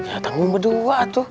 ya tanggung berdua tuh